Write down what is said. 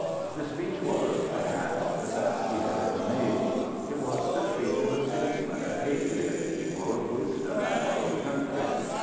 The speech was, perhaps, the best he had ever made. It was the speech of a statesman and patriot, full of wisdom and love of country.